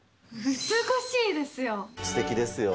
美しいですよ。